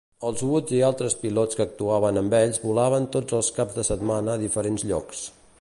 Els Woods i altres pilots que actuaven amb ells volaven tots els caps de setmana a diferents llocs.